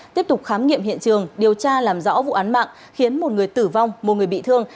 tiếp tục khám nghiệm hiện trường điều tra làm rõ vụ án mạng khiến một người tử vong một người bị thương